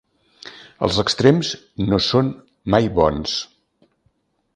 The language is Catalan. Els extrems no són mai bons.